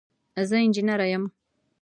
زه انجنیره یم.